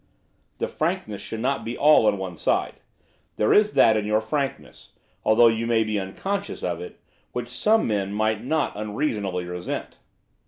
'The frankness should not be all on one side. There is that in your frankness, although you may be unconscious of it, which some men might not unreasonably resent.